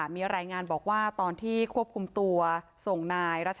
มีรายงานบอกว่าตอนที่ควบคุมตัวส่งนายรัช